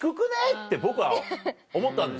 って僕は思ったんです